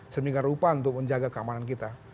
sedemikian rupa untuk menjaga keamanan kita